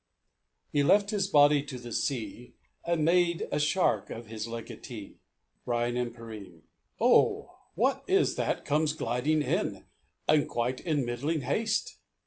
"He left his body to the sea, And made a shark his legatee." BRYAN AND PERENNE. "Oh! what is that comes gliding in, And quite in middling haste?